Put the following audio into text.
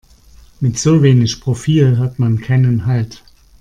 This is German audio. Mit so wenig Profil hat man keinen Halt.